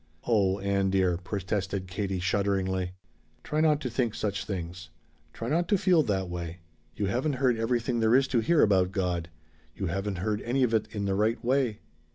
"Oh, Ann dear!" protested Katie shudderingly. "Try not to think such things. Try not to feel that way. You haven't heard everything there is to hear about God. You haven't heard any of it in the right way."